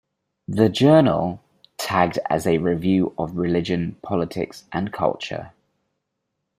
The journal, tagged as A Review of Religion, Politics, and Culture.